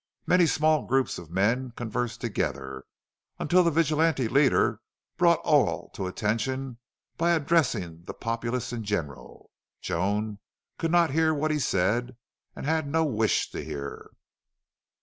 Many small groups of men conversed together, until the vigilante leader brought all to attention by addressing the populace in general. Joan could not hear what he said and had no wish to hear.